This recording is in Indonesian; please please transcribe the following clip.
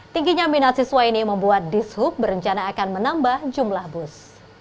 tingginya minat siswa ini membuat dishub berencana akan menambah jumlah bus